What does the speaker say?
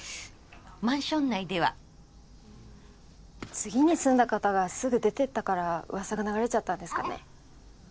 マンション内では次に住んだ方がすぐ出てったから噂が流れちゃったんですかね